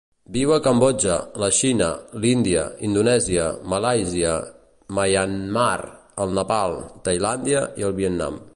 Viu a Cambodja, la Xina, l'Índia, Indonèsia, Malàisia, Myanmar, el Nepal, Tailàndia i el Vietnam.